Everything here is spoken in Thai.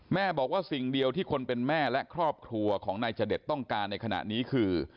แม่บอกว่าสิ่งเดียวที่คนเป็นแม่และครอบครัวของนายจเดชต้องการในขณะนี้คือ